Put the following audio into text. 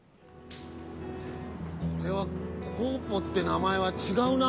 これはコーポって名前は違うな。